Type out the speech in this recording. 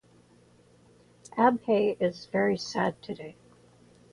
Abhay is very sad today.